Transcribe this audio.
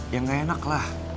ya gak enak lah